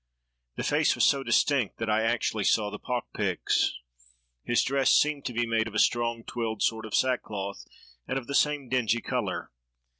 _' The face was so distinct that I actually saw the pock pits. His dress seemed to be made of a strong twilled sort of sackcloth, and of the same dingy color.